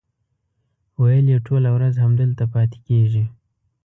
ویل یې ټوله ورځ همدلته پاتې کېږي.